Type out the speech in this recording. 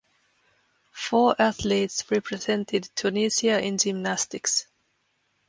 Four athletes represented Tunisia in gymnastics.